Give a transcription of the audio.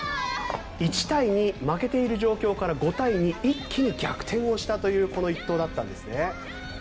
１対２で負けている状況から５対２と一気に逆転したというこの一投だったんです。